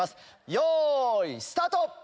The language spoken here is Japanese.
よいスタート！